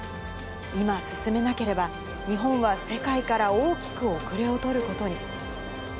今進めなければ、日本は世界から大きく後れを取ることに。